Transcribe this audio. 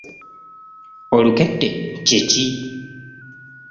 Olukette kye ki?